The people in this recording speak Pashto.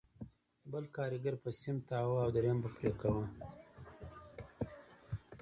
بل کارګر به سیم تاواوه او درېیم به پرې کاوه